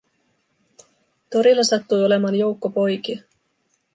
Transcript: Torilla sattui olemaan joukko poikia.